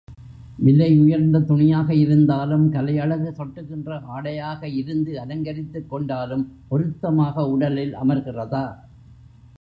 விலையுயர்ந்த துணியாக இருந்தாலும், கலையழகு சொட்டுகின்ற ஆடையாக இருந்து அலங்கரித்துக் கொண்டாலும், பொருத்தமாக உடலில் அமர்கிறதா?